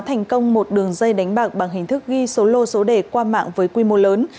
thành công một đường dây đánh bạc bằng hình thức ghi số lô số đề qua mạng với quy mô lớn